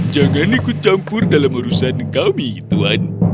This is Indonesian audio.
jangan ikut campur dalam urusan kami tuan